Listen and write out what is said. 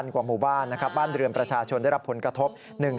๒๐๐๐กว่าหมู่บ้านบ้านเรือมประชาชนได้รับผลกระทบ